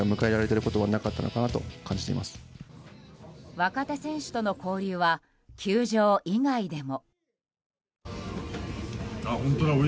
若手選手との交流は球場以外でも。